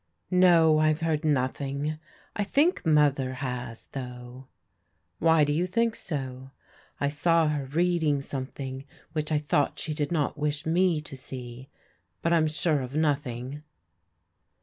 "No, IVe heard nothing. I think Mother has, though." " Why do you think so ?"" I saw her reading something which I thought she did not wish me to see. But I'm sure of nothing."